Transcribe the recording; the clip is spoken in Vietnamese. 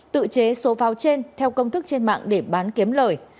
tự chế số pháo trên theo công thức trên mạng để bán kiếm lời